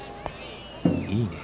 いいねえ。